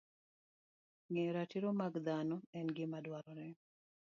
Ng'eyo ratiro mag dhano en gima dwarore